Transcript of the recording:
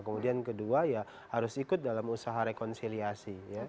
kemudian kedua ya harus ikut dalam usaha rekonsiliasi